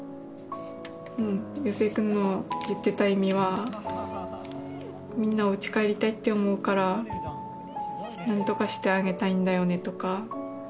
夕青くんの言ってた意味は「みんなおうち帰りたいって思うからなんとかしてあげたいんだよね」とか